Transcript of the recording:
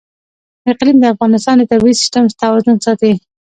اقلیم د افغانستان د طبعي سیسټم توازن ساتي.